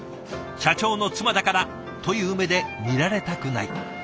「社長の妻だから」という目で見られたくない。